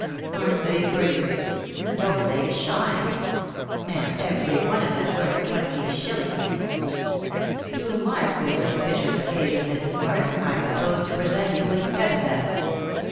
Aren't they pretty ? Don't they shine ? And every one of them worth twenty shillings 1 To mark this auspicious occasion, Mrs. Morris, I propose to present you with ten of them."